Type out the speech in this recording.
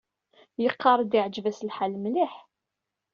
Yeqqar-d iɛǧeb-as lḥal mliḥ.